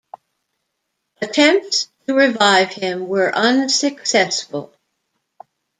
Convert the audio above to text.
Attempts to revive him were unsuccessful.